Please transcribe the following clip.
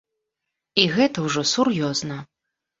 І гэта ўжо сур'ёзна.